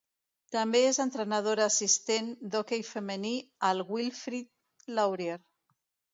També és entrenadora assistent d'hoquei femení al Wilfrid Laurier.